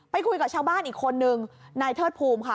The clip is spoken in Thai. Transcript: คุยกับชาวบ้านอีกคนนึงนายเทิดภูมิค่ะ